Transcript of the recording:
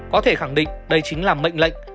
có thể khẳng định đây chính là mệnh lệnh